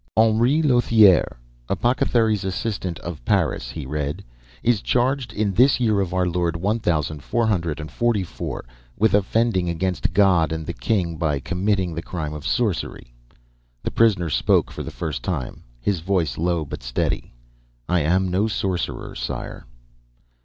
"Henri Lothiere, apothecary's assistant of Paris," he read, "is charged in this year of our lord one thousand four hundred and forty four with offending against God and the king by committing the crime of sorcery." The prisoner spoke for the first time, his voice low but steady. "I am no sorcerer, sire."